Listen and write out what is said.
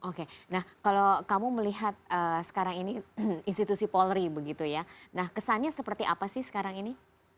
oke nah kalau kamu melihat sekarang ini institusi polri begitu ya nah kesannya seperti apa sih sekarang ini